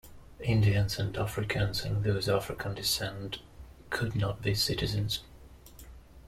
Indians and Africans and those of African descent could not be citizens.